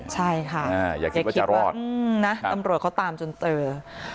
ใช่ค่ะอย่าคิดว่าจะรอดนะตำรวจเขาตามจนเจอ